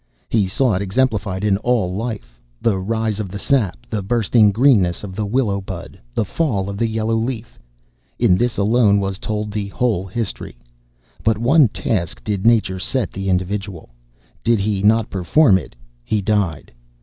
He saw it exemplified in all life. The rise of the sap, the bursting greenness of the willow bud, the fall of the yellow leaf in this alone was told the whole history. But one task did Nature set the individual. Did he not perform it, he died.